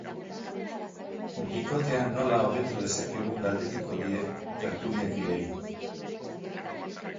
Bikotea nola hobetu dezakegun galdetuko die tertuliakideei.